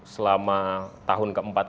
selama tahun keempat